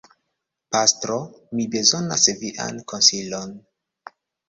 Pastro, mi bezonas vian konsilon.